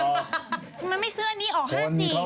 มันไม่ซื้ออันนี้ออก๕๔